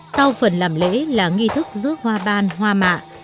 sau phần làm lễ là nghi thức giữa hoa ban hoa mạ